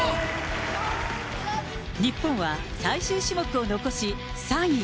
日本は最終種目を残し、３位。